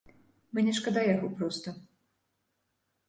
Мне шкада яго проста.